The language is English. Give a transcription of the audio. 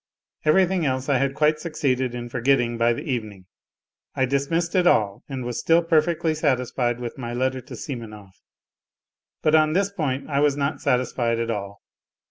Everything else I had quite succeeded in forgetting by the evening ; I dismissed it all and was still perfectly satisfied with my letter to Simonov. But on this point I was not satis fied at all.